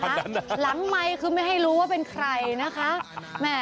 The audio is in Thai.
หลังไมค์คือไม่ให้รู้ว่าเป็นใครนะคะ